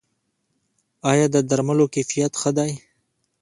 آیا د درملو کیفیت ښه دی؟